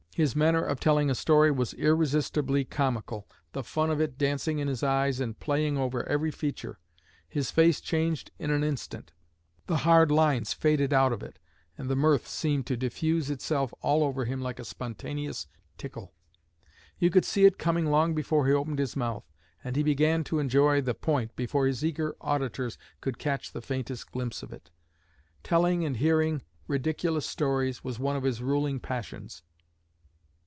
His manner of telling a story was irresistibly comical, the fun of it dancing in his eyes and playing over every feature. His face changed in an instant; the hard lines faded out of it, and the mirth seemed to diffuse itself all over him like a spontaneous tickle. You could see it coming long before he opened his mouth, and he began to enjoy the 'point' before his eager auditors could catch the faintest glimpse of it. Telling and hearing ridiculous stories was one of his ruling passions."